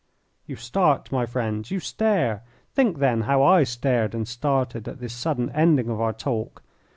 You start, my friends! You stare! Think, then, how I stared and started at this sudden ending of our talk.